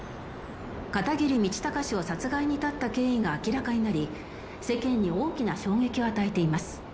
「片桐道隆氏を殺害に至った経緯が明らかになり世間に大きな衝撃を与えています」